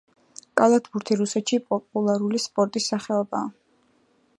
კალათბურთი რუსეთში პოპულარული სპორტის სახეობაა.